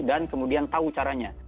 dan kemudian tahu caranya